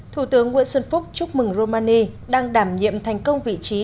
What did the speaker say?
thủ tướng nguyễn xuân phúc chúc mừng romani đang đảm nhiệm thành công vị trí